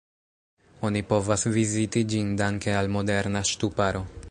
Oni povas viziti ĝin danke al moderna ŝtuparo.